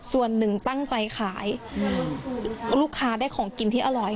ส่วนหนึ่งตั้งใจขายลูกค้าได้ของกินที่อร่อย